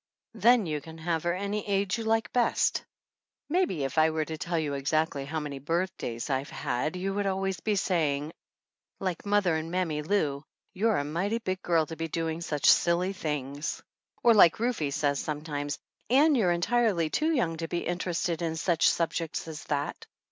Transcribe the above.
Then you can have her any age you, like best. Maybe if I were to tell exactly how many birthdays I've had you would always be saying, like mother and Mammy Lou, "You're a mighty big girl to be doing such siDy things." Or like Rufe says sometimes, "Ann, you're entirely too young to be interested in suck subjects as that."